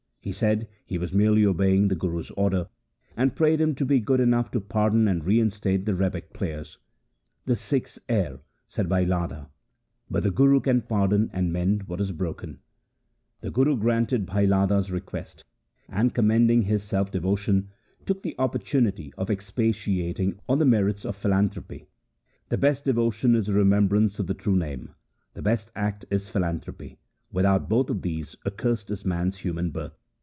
He said he was merely obeying the Guru's order, and prayed him to be good enough to pardon and reinstate the rebeck players. ' The Sikhs err,' said Bhai Ladha, ' but the Guru can pardon and mend what is broken.' 24 THE SIKH RELIGION The Guru granted Bhai Ladha's request and, com mending his self devotion, took the opportunity of expatiating on the merits of philanthropy :' The best devotion is the remembrance of the True Name ; the best act is philanthropy : without both of these accursed is man's human birth.